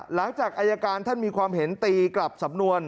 หลังจากอายการท่านมีความเห็นตีกลับสำนวน